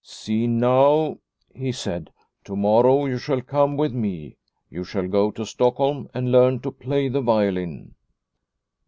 " See now," he said, " to morrow you shall come with me. You shall go to Stockholm and learn to play the violin."